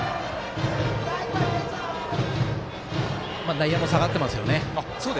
内野も下がっていますね。